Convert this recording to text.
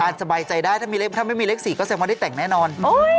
อาจจะบ่ายใจได้ถ้าไม่มีเลข๔ก็แสดงว่าได้แต่งแน่นอน